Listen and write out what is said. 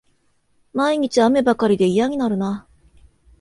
毎日、雨ばかりで嫌になるな